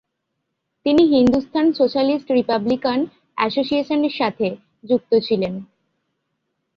তিনি Hindustan Socialist Republican অ্যাসোসিয়েশনের সাথে যুক্ত ছিলেন।